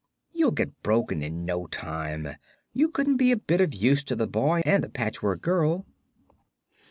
"You'd get broken in no time, and you couldn't be a bit of use to the boy and the Patchwork Girl."